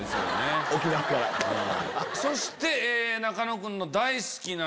そして仲野君の大好きな人。